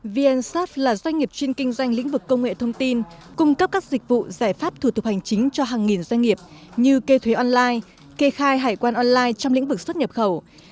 vnsat là doanh nghiệp chuyên kinh doanh lĩnh vực công nghệ thông tin cung cấp các dịch vụ giải pháp thủ tục hành chính cho hàng nghìn doanh nghiệp như kê thuế online kê khai hải quan online trong lĩnh vực xuất nhập khẩu